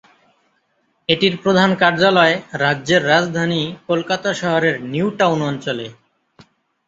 এটির প্রধান কার্যালয় রাজ্যের রাজধানী কলকাতা শহরের নিউ টাউন অঞ্চলে।